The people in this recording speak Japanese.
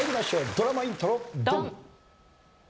ドラマイントロドン！